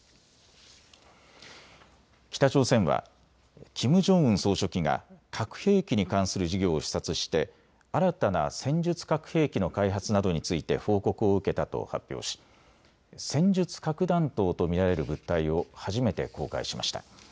北朝鮮はキム・ジョンウン総書記が核兵器に関する事業を視察して新たな戦術核兵器の開発などについて報告を受けたと発表し戦術核弾頭と見られる物体を初めて公開しました。